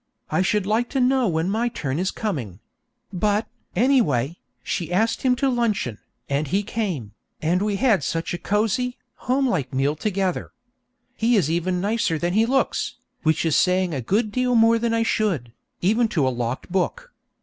I should like to know when my turn is coming; but, anyway, she asked him to luncheon, and he came, and we had such a cosy, homelike meal together. He is even nicer than he looks, which is saying a good deal more than I should, even to a locked book.